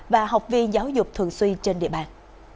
và học viên giáo dục thường xuyên trên địa bàn